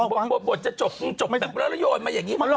เบาท์จะจบจบแบบเล่าโยนมาอย่างงี้